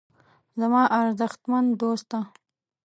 زما ارزښتمن دوسته.